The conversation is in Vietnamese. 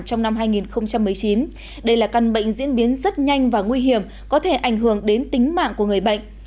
trong năm hai nghìn một mươi chín đây là căn bệnh diễn biến rất nhanh và nguy hiểm có thể ảnh hưởng đến tính mạng của người bệnh